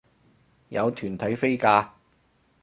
有團體飛價